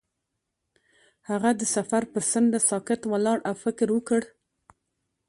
هغه د سفر پر څنډه ساکت ولاړ او فکر وکړ.